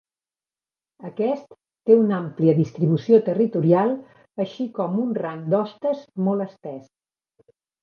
Aquest té una àmplia distribució territorial així com un rang d'hostes molt estès.